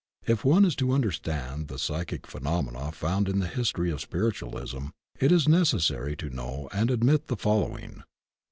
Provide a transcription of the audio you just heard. If one is to understand the psychic phenomena found in the history of "spiritualism" it is necessary to know and admit the following: I.